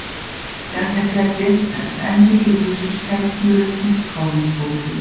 Daher bleibt jetzt als einzige Möglichkeit nur das Misstrauensvotum.